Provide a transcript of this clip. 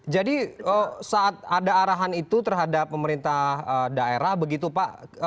jadi saat ada arahan itu terhadap pemerintah daerah begitu pak